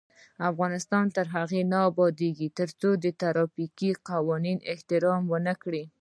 افغانستان تر هغو نه ابادیږي، ترڅو د ترافیکي قوانینو احترام ونکړو.